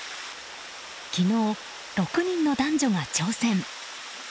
昨日、６人の男女が挑戦。